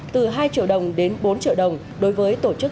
từ hai triệu đồng đến bốn triệu đồng đối với tổ chức